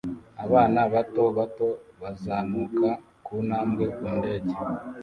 Abana bato bato bazamuka kuntambwe ku ndege